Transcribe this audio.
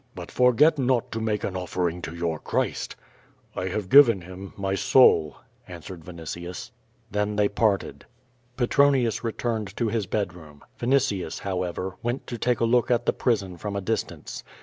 But forget not to make an offering to your Christ/' ^? have given him my soul," answered Vinitius. QUO VADIS, 431 Then they parted. Petronius returned to his bedroom. Vinitius, however, went to take a look at the prison from a distance.